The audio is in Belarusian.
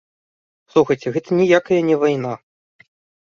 Слухайце, гэта ніякая не вайна.